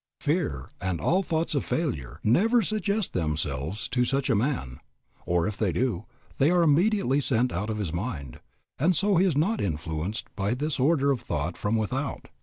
Fear and all thoughts of failure never suggest themselves to such a man; or if they do, they are immediately sent out of his mind, and so he is not influenced by this order of thought from without.